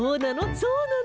そうなの？